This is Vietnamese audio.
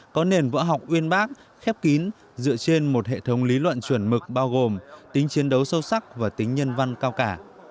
có nền vỡ học uyên bác khép kín dựa trên một hệ thống lý luận chuẩn mực bao gồm tính chiến đấu sâu sắc và tính nhân văn cao cả